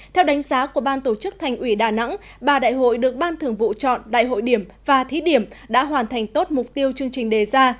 theo đánh giá của ban tổ chức thành ủy đà nẵng ba đại hội được ban thường vụ chọn đại hội điểm và thí điểm đã hoàn thành tốt mục tiêu chương trình đề ra